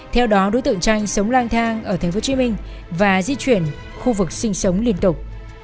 theo đó đối tượng tranh sống lang thang ở tp hcm và di chuyển khu vực sinh sống liên tục